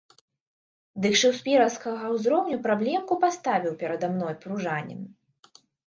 Дык шэкспіраўскага ўзроўню праблемку паставіў перада мной пружанін!